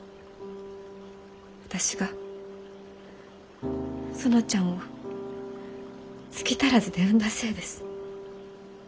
私が園ちゃんを月足らずで産んだせいです。